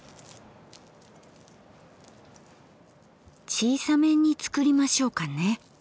小さめにつくりましょうかね。